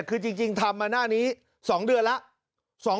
คือจริงทำมาหน้านี้๒เดือนแล้ว